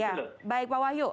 ya baik pak wahyu